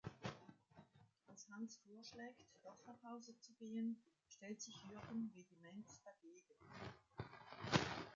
Als Hans vorschlägt, doch nach Hause zu gehen, stellt sich Jürgen vehement dagegen.